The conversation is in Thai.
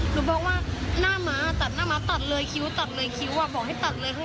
หนูบอกว่าน่าม้าตัดของหน้าม้าตัดเลยคิว